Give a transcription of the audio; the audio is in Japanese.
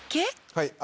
はい。